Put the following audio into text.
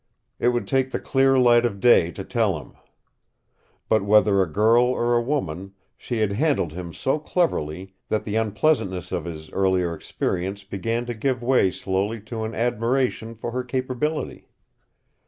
It would take the clear light of day to tell him. But whether a girl or a woman, she had handled him so cleverly that the unpleasantness of his earlier experience began to give way slowly to an admiration for her capability.